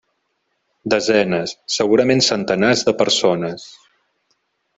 Desenes, segurament centenars de persones.